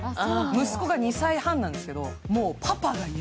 息子が２歳半なんですけどもう、パパが嫌。